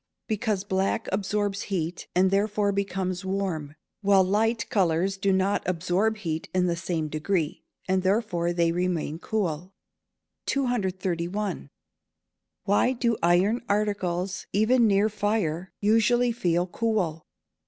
_ Because black absorbs heat, and therefore becomes warm; while light colours do not absorb heat in the same degree, and therefore they remain cool. 231. _Why do iron articles, even when near fire, usually feel cool?